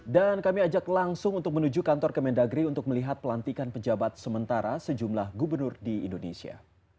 dan kami ajak langsung untuk menuju kantor kemendagri untuk melihat pelantikan pejabat sementara sejumlah gubernur di indonesia